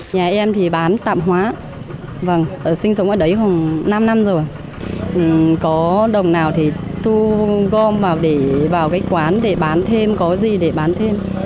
nhà em thì bán tạm hóa sinh sống ở đấy khoảng năm năm rồi có đồng nào thì thu gom vào quán để bán thêm có gì để bán thêm